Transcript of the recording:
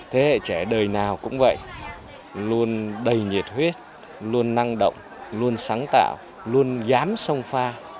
thế hệ trẻ đời nào cũng vậy luôn đầy nhiệt huyết luôn năng động luôn sáng tạo luôn dám pha